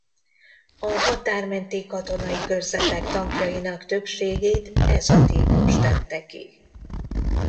A határ menti katonai körzetek tankjainak többségét ez a típus tette ki.